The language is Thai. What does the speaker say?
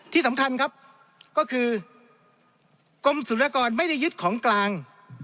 ที่สำคัญครับก็คือกรมศุลกรไม่ได้ยึดของกลาง